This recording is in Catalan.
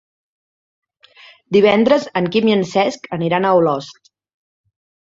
Divendres en Quim i en Cesc aniran a Olost.